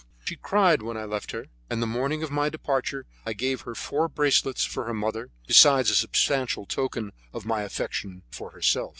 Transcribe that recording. She cried when I left her, and the morning of my departure I gave her four bracelets for her mother, besides a substantial token of my affection for herself.